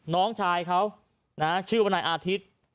น้องชายที่ชื่อวันให้อาทิตย์